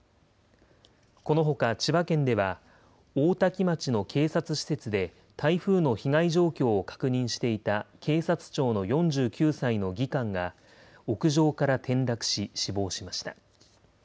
このほか、千葉県では、大多喜町の警察施設で、台風の被害状況を確認していた警察庁の４９歳の技官が屋上から転落し死亡しました。